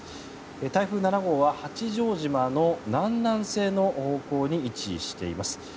台風７号は八丈島の南南西の方向に位置しています。